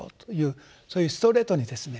そういうストレートにですね